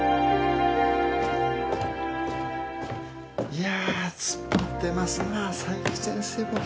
いやつっぱってますな佐伯先生も。